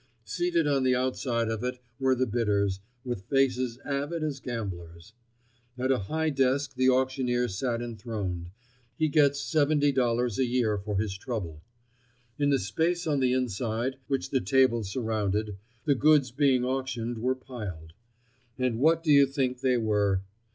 Seated on the outside of it were the bidders, with faces avid as gamblers'. At a high desk the auctioneer sat enthroned—he gets seventy dollars a year for his trouble. In the space on the inside, which the table surrounded, the goods being auctioned were piled. And what do you think they were?